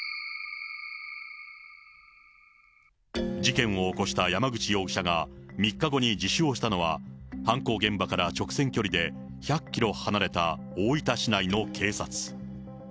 事件を起こした山口容疑者が３日後に自首をしたのは、犯行現場から直線距離で１００キロ離れた大分市内の警察。